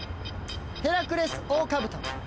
ヘラクレスオオカブト。